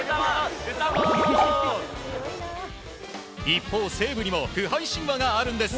一方、西武にも不敗神話があるんです。